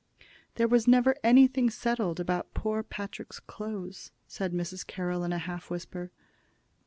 "There was never anything settled about poor Patrick's clothes," said Mrs. Carroll, in a half whisper.